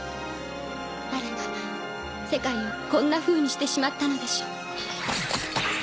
誰が世界をこんなふうにしてしまったのでしょう？